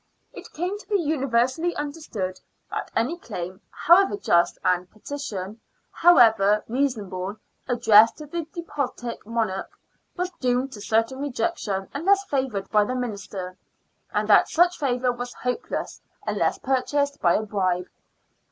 It came to be universally understood that any claim, however just, and any petition, however reasonable, addressed to the despotic monarch was doomed to certain rejection unless favoured by the Minister, and that such favour was hopeless unless pur chased by a bribe.